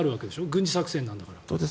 軍事作戦なんだから。